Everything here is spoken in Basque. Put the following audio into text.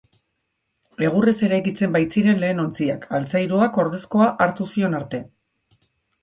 Egurrez eraikitzen baitziren lehen ontziak, altzairuak ordezkoa hartu zion arte.